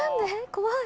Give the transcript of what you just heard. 怖い。